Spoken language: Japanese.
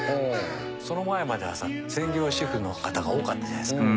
その前まではさ専業主婦の方が多かったじゃないですか。